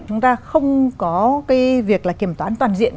chúng ta không có cái việc là kiểm toán toàn diện